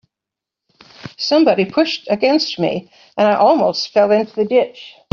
Somebody pushed against me, and I almost fell into the ditch.